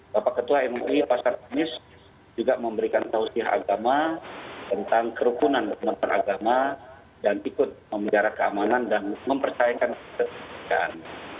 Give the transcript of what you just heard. bapak ketua mup pasar kemis juga memberikan tausih agama tentang kerukunan penonton agama dan ikut memegang keamanan dan mempercayakan ketertiban